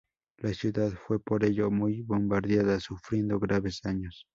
La ciudad fue por ello muy bombardeada sufriendo graves daños.